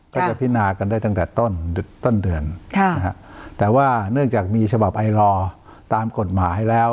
พินากันได้ตั้งแต่ต้นต้นเดือนแต่ว่าเนื่องจากมีฉบับไอลอร์ตามกฎหมายแล้ว